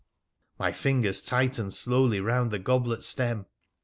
My fingers tightened slowly round the goblet stem.